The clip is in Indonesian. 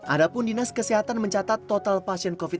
adapun dinas kesehatan mencatat total pasien covid sembilan belas